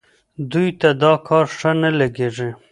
دوی ته دا کار ښه نه لګېږي.